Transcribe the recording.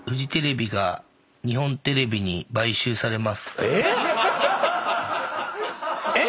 えっ⁉えっ⁉